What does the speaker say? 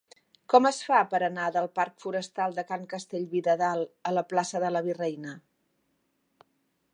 Com es fa per anar del parc Forestal de Can Castellví de Dalt a la plaça de la Virreina?